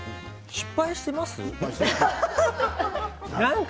失敗していますか？